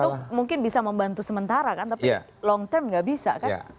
atau mungkin bisa membantu sementara kan tapi long term nggak bisa kan